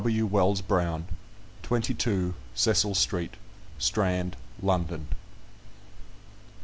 W. WELLS BROWN 22, Cecil Street, Strand, London.